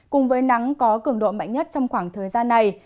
cùng với nắng có cường độ mạnh nhất trong khoảng thời gian này